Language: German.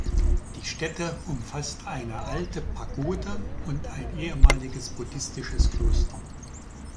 Die Stätte umfasst eine alte Pagode und ein ehemaliges buddhistisches Kloster.